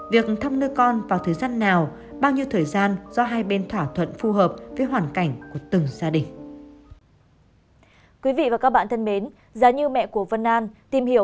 việc thăm nuôi con vào thời gian nào bao nhiêu thời gian do hai bên thỏa thuận phù hợp với hoàn cảnh của từng gia đình